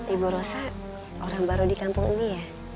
ibu rosa orang baru di kampung ini ya